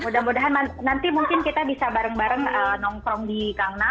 mudah mudahan nanti mungkin kita bisa bareng bareng nongkrong di kang na